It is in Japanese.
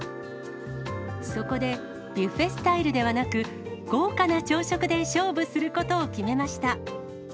そこで、ビュッフェスタイルではなく、豪華な朝食で勝負することを決めました。